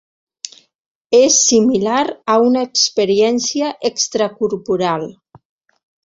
És similar a una experiència extracorporal.